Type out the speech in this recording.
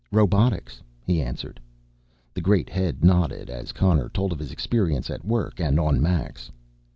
"Robotics," he answered. The great head nodded as Connor told of his experience at work and on Max.